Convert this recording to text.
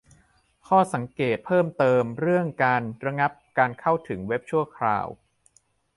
ข้อสังเกตเพิ่มเติม เรื่องการ "ระงับการเข้าถึงเว็บชั่วคราว"